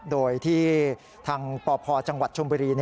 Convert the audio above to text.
โดยที่ทางปพจังหวัดชมบุรี